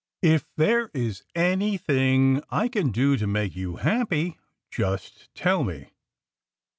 "If there is anything I can do to make you happy, just tell me!"